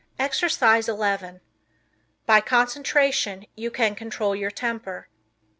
Exercise 11 By Concentration You Can Control Your Temper.